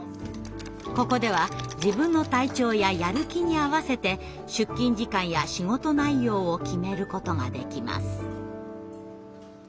ここでは自分の体調ややる気に合わせて出勤時間や仕事内容を決めることができます。